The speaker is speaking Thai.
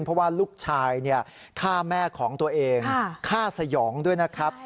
เพราะว่าลูกชายฆ่าแม่ของตัวเองฆ่าสยองด้วยนะครับ